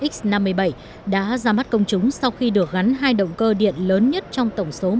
x năm mươi bảy đã ra mắt công chúng sau khi được gắn hai động cơ điện lớn nhất trong tổng số